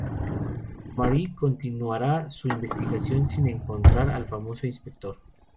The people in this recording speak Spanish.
Marie continuará su investigación sin encontrar al famoso inspector.